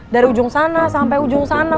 dari ujung sana sampai ujung sana